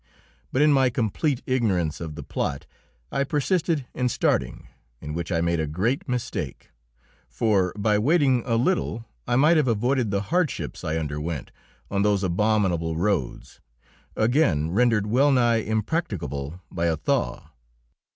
But in my complete ignorance of the plot, I persisted in starting in which I made a great mistake. For by waiting a little I might have avoided the hardships I underwent on those abominable roads, again rendered well nigh impracticable by a thaw.